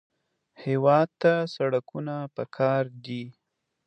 هېواد ته سړکونه پکار دي